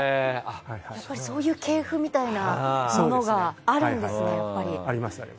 そういう系譜みたいなものがあるんですね、やっぱり。